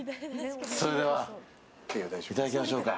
それでは、いただきましょうか。